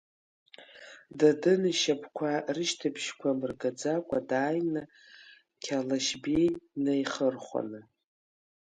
Дадын ишьапқәа рышьҭыбжьқәа мыргаӡакәа дааины Қьалашьбеи днаиеихырхәаны.